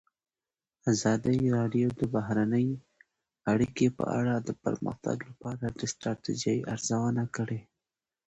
ازادي راډیو د بهرنۍ اړیکې په اړه د پرمختګ لپاره د ستراتیژۍ ارزونه کړې.